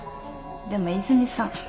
でも和泉さん